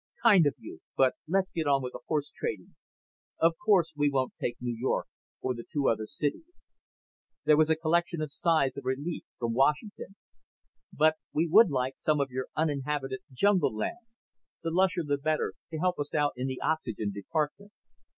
"Kind of you. But let's get on with the horse trading. Of course we won't take New York, or the two other cities." (There was a collection of sighs of relief from Washington.) "But we would like some of your uninhabited jungle land the lusher the better, to help us out in the oxygen department.